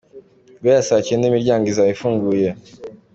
Guhera saa cyenda imiryango izaba ifunguye.